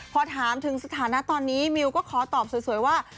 พอถามถึงสถานะตอนนี้มิวก็ขอตอบสวยว่า